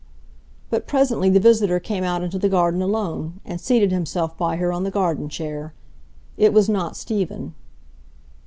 But presently the visitor came out into the garden alone, and seated himself by her on the garden chair. It was not Stephen.